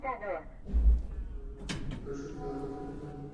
তাঁকে হলের বারান্দায় থাকতে হতো, শীতের রাতে যেতে হতো রাজনৈতিক কর্মসূচিতে।